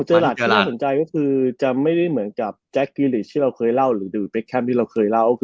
เจอราชไม่เหมือนแบทแคมม์ที่เราเคยเล่า